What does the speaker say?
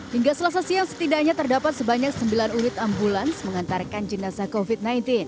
hingga selasa siang setidaknya terdapat sebanyak sembilan unit ambulans mengantarkan jenazah covid sembilan belas